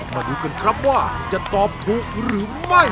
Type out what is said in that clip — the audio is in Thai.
มาดูกันครับว่าจะตอบถูกหรือไม่